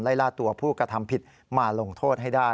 ไล่ล่าตัวผู้กระทำผิดมาลงโทษให้ได้